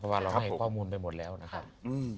เพราะว่าเราให้ข้อมูลไปหมดแล้วนะครับ